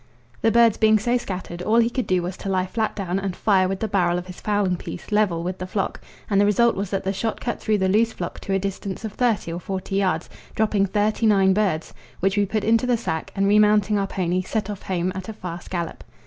The birds being so scattered, all he could do was to lie flat down and fire with the barrel of his fowling piece level with the flock, and the result was that the shot cut through the loose flock to a distance of thirty or forty yards, dropping thirty nine birds, which we put into the sack, and remounting our pony set off home at a fast gallop.